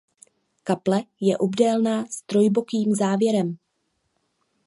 Kaple je obdélná s trojbokým závěrem.